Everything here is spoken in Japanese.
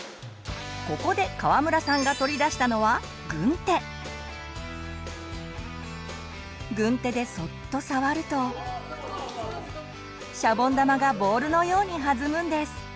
ここで川村さんが取り出したのは軍手でそっと触るとシャボン玉がボールのように弾むんです！